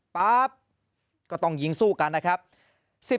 ป๊าบก็ต้องยิงสู้กันนะครับ